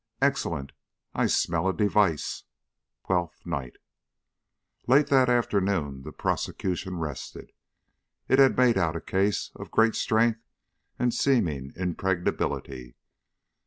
Excellent! I smell a device. TWELFTH NIGHT. LATE that afternoon the prosecution rested. It had made out a case of great strength and seeming impregnability.